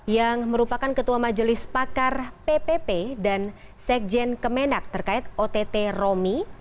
yang merupakan ketua majelis pakar ppp dan sekjen kemenak terkait ott romi